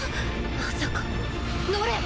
まさかノレア？